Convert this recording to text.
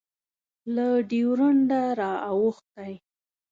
له ډیورنډه رااوښتی